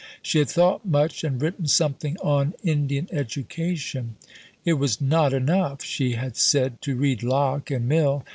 She had thought much and written something on Indian education. It was "not enough," she had said, "to read Locke and Mill."